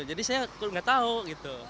jadi saya gak tau gitu